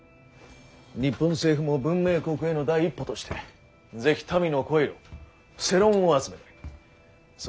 日本政府も文明国への第一歩として是非民の声を世論を集めたい。